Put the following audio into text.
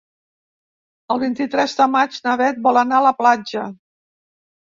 El vint-i-tres de maig na Beth vol anar a la platja.